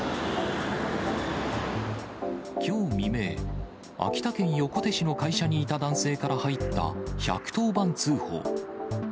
きょう未明、秋田県横手市の会社にいた男性から入った１１０番通報。